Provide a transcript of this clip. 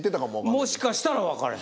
もしかしたら分からへん。